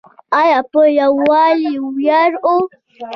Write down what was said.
آیا په یوالي ویاړو؟